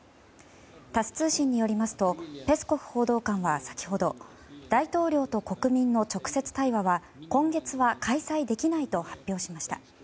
タス通信によりますとペスコフ報道官は先ほど大統領と国民の直接対話は今月は開催できないと発表しました。